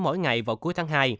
mỗi ngày vào cuối tháng hai